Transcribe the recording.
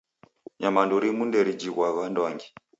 Nyamandu rimu nderijighwagha anduangi.